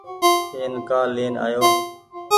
اين ڪآ لين آيو۔